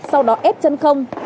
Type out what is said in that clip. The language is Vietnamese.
sau đó ép chân không